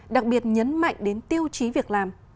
đặc biệt nhấn mạnh đến tiêu chí việc làm